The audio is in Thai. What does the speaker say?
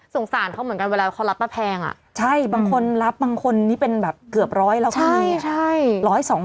สงสารเค้าเหมือนกันเวลาเค้ารับมาที่แพง